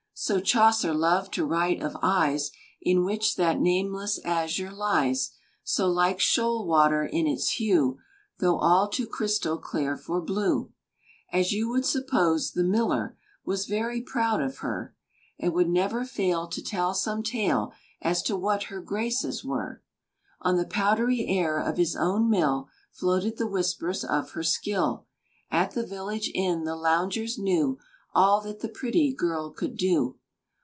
(So Chaucer loved to write of eyes In which that nameless azure lies So like shoal water in its hue, Though all too crystal clear for blue.) As you would suppose, the miller Was very proud of her, And would never fail to tell some tale As to what her graces were. On the powdery air of his own mill Floated the whispers of her skill; At the village inn the loungers knew All that the pretty girl could do.